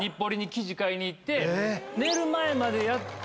寝る前までやって。